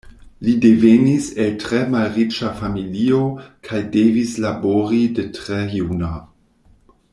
Li devenis el tre malriĉa familio kaj devis labori de tre juna.